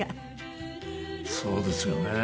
そうですよね。